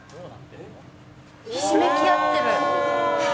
ひしめき合ってる。